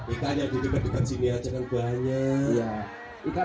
ikan yang di depan dekat depan sini aja kan banyak